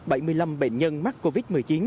bảy mươi năm bệnh nhân mắc covid một mươi chín